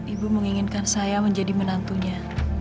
ibu menginginkan saya menjadi menantunya